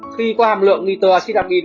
khi có hàm lượng nitroacid amine